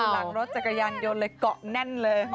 หลังรถจักรยานยนต์เลยเกาะแน่นเลย